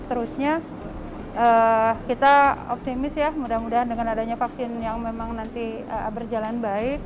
seterusnya kita optimis ya mudah mudahan dengan adanya vaksin yang memang nanti berjalan baik